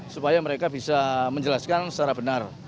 supaya mereka bisa menjelaskan secara benar